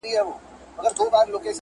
تا څنگه زه ما څنگه ته له ياده وايستلې,